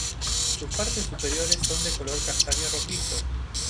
Sus partes superiores son de color castaño rojizo.